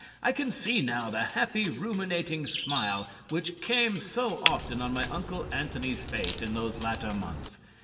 I can see now the happy ruminating smile which came so often on my Uncle Antony's face in those latter months.